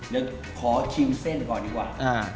เดี๋ยวขอชิมเส้นก่อนดีกว่า